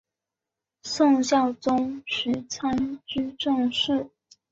宋孝宗时参知政事。